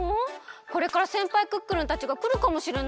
これからせんぱいクックルンたちがくるかもしれないのに。